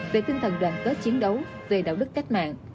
về tinh thần đoàn kết chiến đấu về đạo đức cách mạng